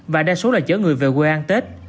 và đa số là chở người về quê ăn tết